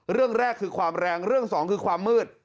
เรื่องแรกคือความแรงเรื่องสองคือความมืด